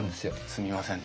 すみません